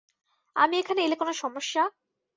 আমি এখানে এলে কোনো সমস্যা?